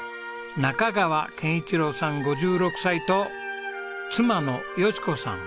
中川憲一郎さん５６歳と妻の淑子さん